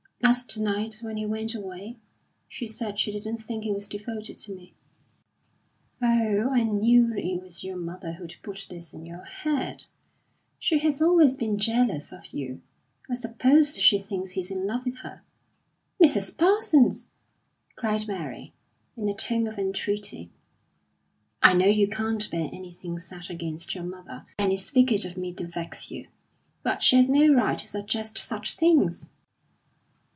"Last night, when he went away, she said she didn't think he was devoted to me." "Oh, I knew it was your mother who'd put this in your head! She has always been jealous of you. I suppose she thinks he's in love with her." "Mrs. Parsons!" cried Mary, in a tone of entreaty. "I know you can't bear anything said against your mother, and it's wicked of me to vex you; but she has no right to suggest such things."